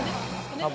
多分。